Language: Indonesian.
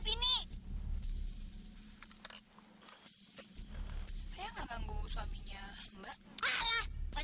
pantes aja lu gak berapa makan siang di rumah